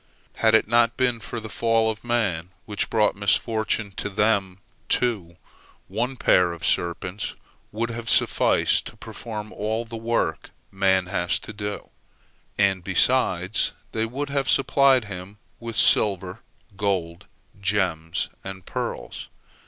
Had it not been for the fall of man, which brought misfortune to them, too, one pair of serpents would have sufficed to perform all the work man has to do, and, besides, they would have supplied him with silver, gold, gems, and pearls.